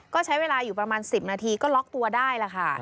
ก็ใช้เวลาอยู่ประมาณ๑๐นาทีก็ล็อกตัวได้ล่ะค่ะ